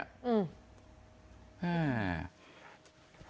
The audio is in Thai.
อืม